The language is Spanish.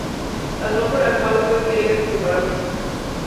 Razón por la cual fue que ella se separó.